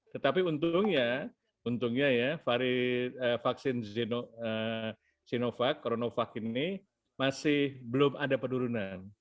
tetapi untungnya ya vaksin sinovac coronavac ini masih belum ada penurunan